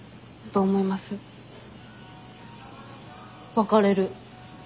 別れる。